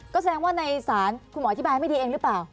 ก็แสดงว่าในศาลคุณหมออธิบายไม่ดีเองหรือเปล่า